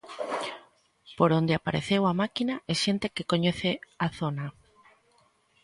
Por onde apareceu a máquina, é xente que coñece a zona.